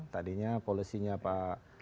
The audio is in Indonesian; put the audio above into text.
tadinya polisinya pak ahok